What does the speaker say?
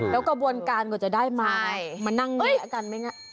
แล้วกระบวนการก่อนจะได้มามานั่งเงี๊ยกัน